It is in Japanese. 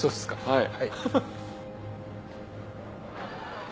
はい。